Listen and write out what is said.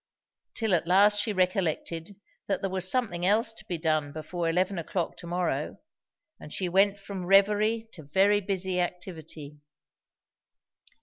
Till at last she recollected that there was something else to be' done before eleven o'clock to morrow; and she went from reverie to very busy activity.